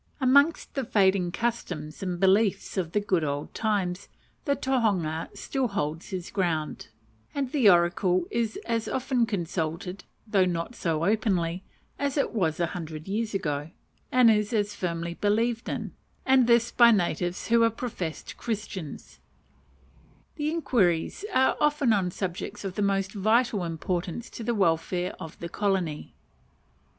Amongst the fading customs and beliefs of the good old times the tohunga still holds his ground, and the oracle is as often consulted (though not so openly) as it was a hundred years ago, and is as firmly believed in; and this by natives who are professed Christians: the inquiries are often on subjects of the most vital importance to the welfare of the colony.